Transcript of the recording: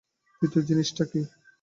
তৃতীয় জিনিসটা কী?